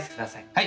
はい。